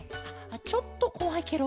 ちょっとこわいケロ。